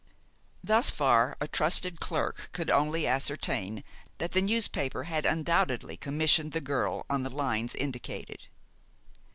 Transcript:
Thus far, a trusted clerk could only ascertain that the newspaper had undoubtedly commissioned the girl on the lines indicated.